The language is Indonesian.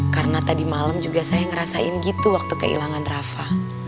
karena tadi malem juga saya ngerasain gitu waktu kehilangan rafa